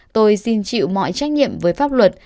tôi xin chịu mọi trách nhiệm với pháp luật